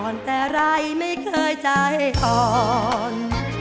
อ่อนแต่ไรไม่เคยใจอ่อน